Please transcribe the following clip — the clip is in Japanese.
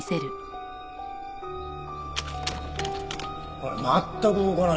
ほら全く動かないんだよ。